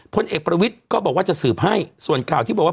พลเอกประวิทย์ก็บอกว่าจะสืบให้ส่วนข่าวที่บอกว่า